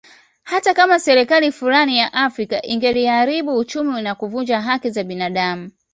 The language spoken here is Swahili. Hata kama serikali fulani ya Afrika ingeliharibu uchumi na kuvunja haki za binadamu